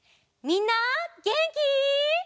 みんなげんき？